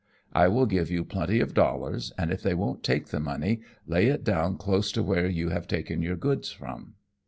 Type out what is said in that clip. I will give you plenty of dollars, and if they won't take the money, lay it down close to where you have taken your goods from."